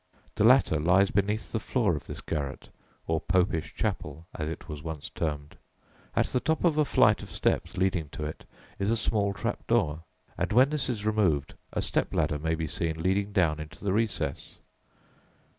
The latter lies beneath the floor of this garret, or "Popish chapel," as it was once termed. At the top of a flight of steps leading to it is a small trap door, and when this is removed a step ladder may be seen leading down into the recess.